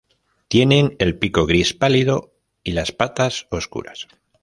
Tienen el pico gris pálido y las patas oscuras.